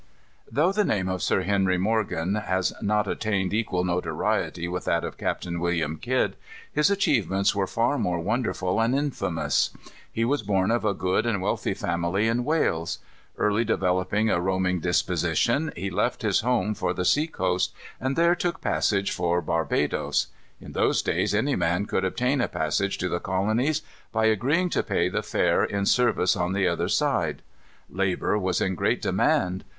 Though the name of Sir Henry Morgan has not attained equal notoriety with that of Captain William Kidd, his achievements were far more wonderful and infamous. He was born of a good and wealthy family in Wales. Early developing a roaming disposition, he left his home for the seacoast, and there took passage for Barbadoes. In those days any man could obtain a passage to the colonies; by agreeing to pay the fare in service on the other side. Labor was in great demand.